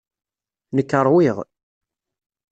Nekk ṛwiɣ.